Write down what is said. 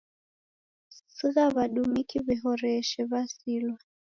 Sigha w'adumiki w'ihoreshe, w'asilwa.